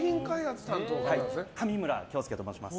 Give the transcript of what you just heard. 上村京介と申します。